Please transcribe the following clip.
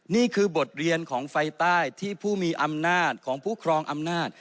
นี่คือบทเรียนของไฟใต้ที่ผู้มีอำนาจของผู้ครองอำนาจ